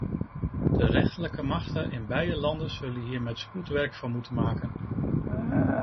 De rechterlijke machten in beide landen zullen hier met spoed werk van moeten maken.